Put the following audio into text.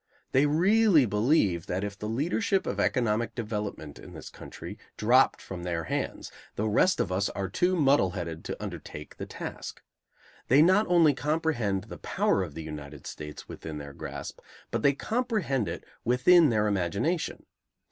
They really believe that if the leadership of economic development in this country dropped from their hands, the rest of us are too muddle headed to undertake the task. They not only comprehend the power of the United States within their grasp, but they comprehend it within their imagination.